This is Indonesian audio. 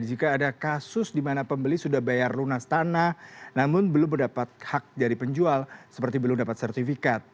jika ada kasus di mana pembeli sudah bayar lunas tanah namun belum mendapat hak dari penjual seperti belum dapat sertifikat